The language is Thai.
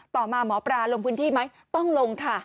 ต่อมาหมอปลาลงพื้นที่ไหมต้องลงค่ะ